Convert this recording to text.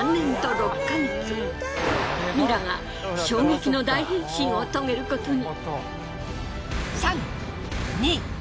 ミラが衝撃の大変身を遂げることに。